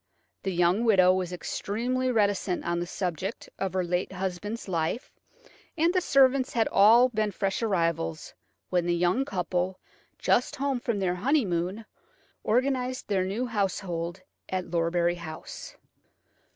The young widow was extremely reticent on the subject of her late husband's life, and the servants had all been fresh arrivals when the young couple, just home from their honeymoon, organised their new household at Lorbury House.